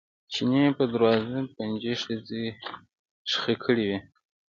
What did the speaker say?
چیني په دروازه پنجې ښخې کړې وې.